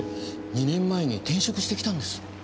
２年前に転職してきたんです。